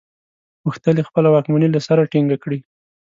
غوښتل یې خپله واکمني له سره ټینګه کړي.